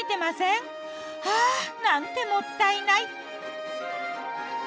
ああなんてもったいない。